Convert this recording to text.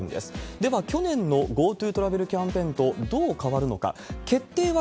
では、去年のＧｏＴｏトラベルキャンペーンとどう変わるのか、決定は